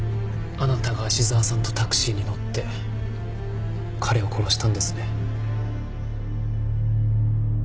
あなたが芦沢さんとタクシーに乗って彼を殺したんですね。